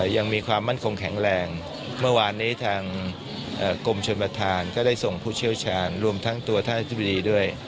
ยังมีความมั่นคงแข็งแรงเมื่อวานนี้ทางกรมชนประธานก็ได้ส่งผู้เชี่ยวชาญรวมทั้งตัวท่านอธิบดีด้วย